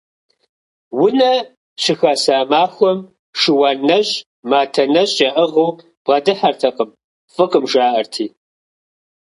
Унэ щыхаса махуэм шыуан нэщӀ, матэ нэщӀ яӀыгъыу бгъэдыхьэртэкъым, фӀыкъым, жаӀэрти.